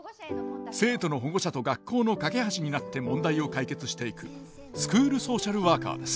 生徒の保護者と学校の架け橋になって問題を解決していくスクールソーシャルワーカーです。